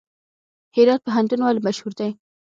هرات پوهنتون ولې مشهور دی؟